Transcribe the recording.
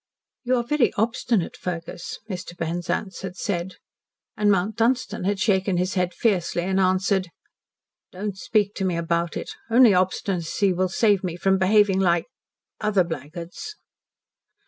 "You are very obstinate, Fergus," Mr. Penzance had said. And Mount Dunstan had shaken his head fiercely and answered: "Don't speak to me about it. Only obstinacy will save me from behaving like other blackguards."